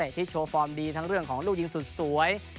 ที่โชว์ฟอร์มดีทั้งเรื่องของลูกยิงสุดสวย